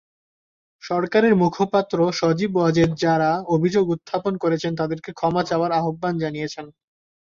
সরকারের মুখপাত্র সজীব ওয়াজেদ যারা অভিযোগ উত্থাপন করেছেন তাদেরকে ক্ষমা চাওয়ার আহ্বান জানিয়েছেন।